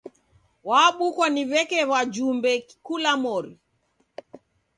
Wabukwa ni w'eke wajumbe kula mori.